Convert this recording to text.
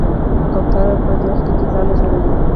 کوتره په ونو کې ځاله جوړوي.